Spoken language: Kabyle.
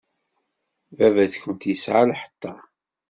Baba-tkent yesɛa lḥeṭṭa.